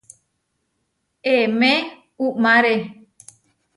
Emé uʼmáre.